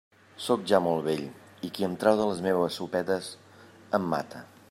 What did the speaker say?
Sóc ja molt vell, i qui em trau de les meues sopetes em mata.